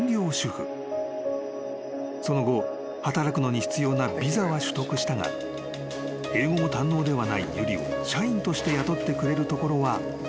［その後働くのに必要なビザは取得したが英語も堪能ではない有理を社員として雇ってくれるところはなかなか見つからなかった］